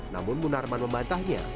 namun munarman memantahnya